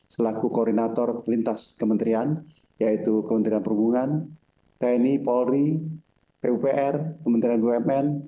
selaku koordinator lintas kementerian yaitu kementerian perhubungan tni polri pupr kementerian bumn